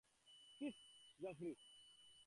This, Joffrey?